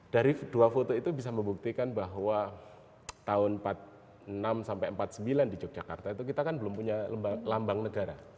dari dua foto itu bisa membuktikan bahwa tahun seribu sembilan ratus empat puluh enam sampai empat puluh sembilan di yogyakarta itu kita kan belum punya lambang negara